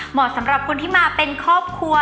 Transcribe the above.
เหมาะสำหรับคนที่มาเป็นครอบครัว